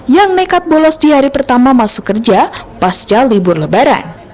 yang nekat bolos di hari pertama masuk kerja pasca libur lebaran